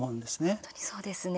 本当にそうですね。